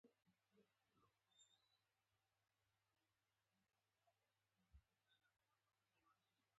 که نه وي نو پیاز او نجاري کسب څوک نه اخلي.